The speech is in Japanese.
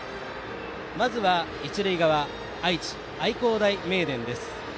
まずは一塁側愛知・愛工大名電です。